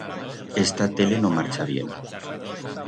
Esta tele no marcha bien.